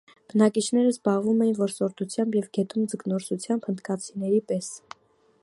Բնակիչները զբաղվում էին որսորդությամբ և գետում ձկնորսությամբ՝ հնդկացիների պես։